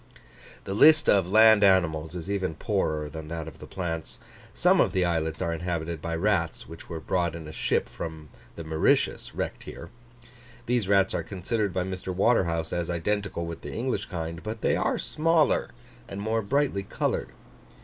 The list of land animals is even poorer than that of the plants. Some of the islets are inhabited by rats, which were brought in a ship from the Mauritius, wrecked here. These rats are considered by Mr. Waterhouse as identical with the English kind, but they are smaller, and more brightly coloured.